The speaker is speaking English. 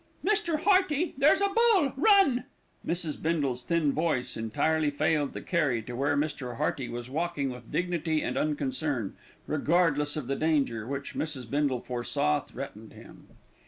"Mr. Hearty, there's a bull! Run!" Mrs. Bindle's thin voice entirely failed to carry to where Mr. Hearty was walking with dignity and unconcern, regardless of the danger which Mrs. Bindle foresaw threatened him.